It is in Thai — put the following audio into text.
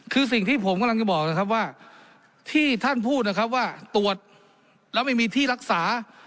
คือสิ่งที่ผมกำลังจะบอกนะครับว่าที่ท่านพูดนะครับว่าตรวจแล้วไม่มีที่รักษา